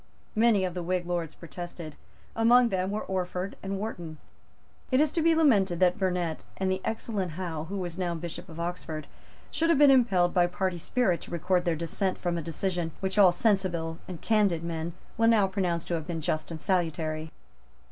Many of the Whig Lords protested. Among them were Orford and Wharton. It is to be lamented that Burnet, and the excellent Hough, who was now Bishop of Oxford, should have been impelled by party spirit to record their dissent from a decision which all sensible and candid men will now pronounce to have been just and salutary.